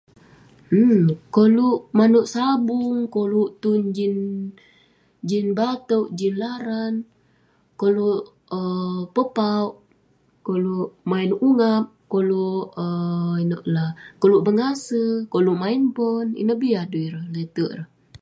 Koluk manouk sabung, koluk tun jin- jin batouk, jin laran, koluk um pepauk. Koluk main ungap. Koluk um inouk la? Koluk mengase. Koluk main bon. Ineh bi adui ireh. Lete'erk ireh.